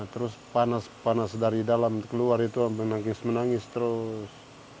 terus panas panas dari dalam keluar itu menangis menangis terus